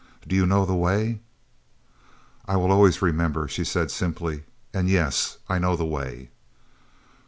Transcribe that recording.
Do you know the way?" "I will always remember," she said simply. "And, yes, I know the way."